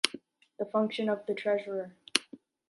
The function of the treasurer.